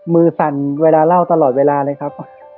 สั่นเวลาเล่าตลอดเวลาเลยครับ